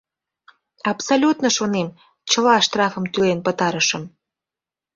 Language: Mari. Абсолютно, шонем, чыла штрафым тӱлен пытарышым.